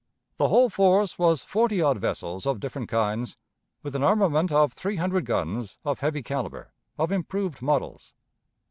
The whole force was forty odd vessels of different kinds, with an armament of three hundred guns of heavy caliber, of improved models.